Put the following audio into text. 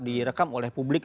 direkam oleh publik